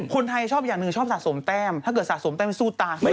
คนไทยชอบอย่างหนึ่งชอบสะสมแต้มถ้าเกิดสะสมแต้มสู้ตาม